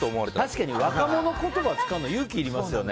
確かに若者言葉使うの勇気いりますよね。